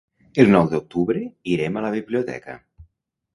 El nou d'octubre irem a la biblioteca.